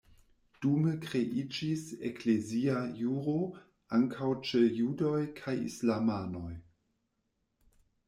Dume kreiĝis eklezia juro ankaŭ ĉe judoj kaj islamanoj.